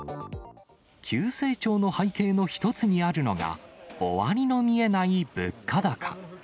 急成長の背景の一つにあるのが、終わりの見えない物価高。